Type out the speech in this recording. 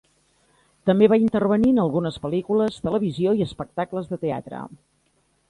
També va intervenir en algunes pel·lícules, televisió i espectacles de teatre.